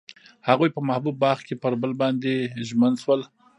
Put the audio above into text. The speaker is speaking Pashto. هغوی په محبوب باغ کې پر بل باندې ژمن شول.